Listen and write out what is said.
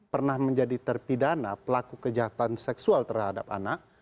pernah menjadi terpidana pelaku kejahatan seksual terhadap anak